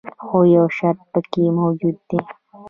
خو یو شرط پکې موجود دی.